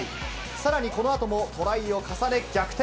さらにこのあとも、トライを重ね、逆転。